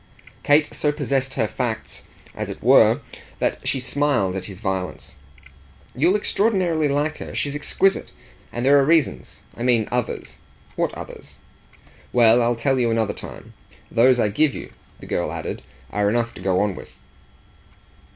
Kate so possessed her facts, as it were, that she smiled at his violence. "You'll extraordinarily like her. She's exquisite. And there are reasons. I mean others." "What others?" "Well, I'll tell you another time. Those I give you," the girl added, "are enough to go on with."